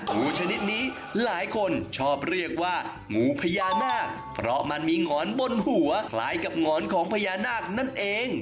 งูชนิดนี้หลายคนชอบเรียกว่างูพญานาคเพราะมันมีหงอนบนหัวคล้ายกับหงอนของพญานาคนั่นเอง